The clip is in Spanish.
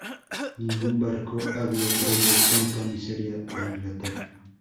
Ningún barco había traído tanta miseria a Inglaterra".